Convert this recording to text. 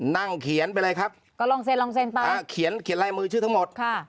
นั่งเขียนไปเลยครับก็ลองเซ็นลองเซ็นไปอ่าเขียนเขียนลายมือชื่อทั้งหมดค่ะ